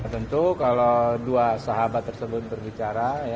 tentu kalau dua sahabat tersebut berbicara